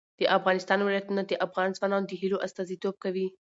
د افغانستان ولايتونه د افغان ځوانانو د هیلو استازیتوب کوي.